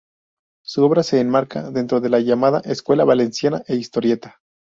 Su obra se enmarca dentro de la llamada Escuela Valenciana de historieta.